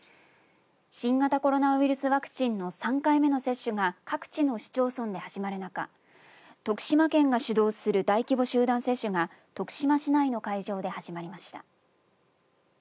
新型コロナウイルスワクチンの３回目の接種が各地の市町村で始まる中徳島県が主導する大規模集団接種が徳島市内の会場で始まりました。